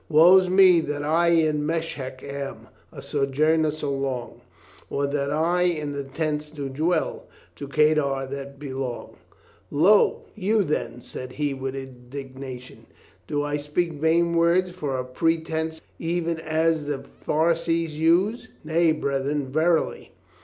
Woe's me that I In Meshec am A sojourner so long, Or that I in the tents do dwell To Kedar that belong. "Lo, you then !" says he with indignation. "Do I speak vain words for a pretense, even as the Pharisees use? Nay, brethren, verily.